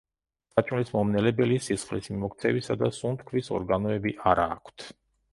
საჭმლის მომნელებელი, სისხლის მიმოქცევისა და სუნთქვის ორგანოები არა აქვთ.